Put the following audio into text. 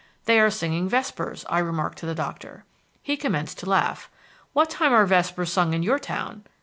'They are singing vespers,' I remarked to the doctor. He commenced to laugh. 'What time are vespers sung in your town?'